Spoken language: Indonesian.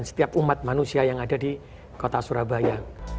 setiap umat manusia yang ada di kota surabaya